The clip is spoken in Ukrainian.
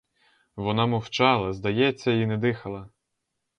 Вона мовчала; здається — і не дихала.